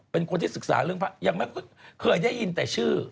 เป็นคนที่ศึกษาเรื่องพระยังไม่เคยได้ยินแต่ชื่อ